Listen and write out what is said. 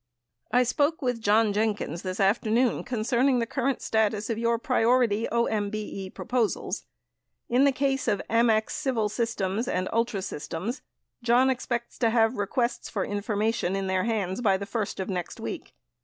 I spoke with John Jenkins this afternoon concerning the current status of your priority OMBE proposals. In the case of AMEX Civil Systems 84 and Ultra Systems, Inc., John expects to have Requests for Information in their hands by the first of next week.